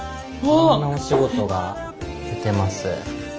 いろんなお仕事が出てます。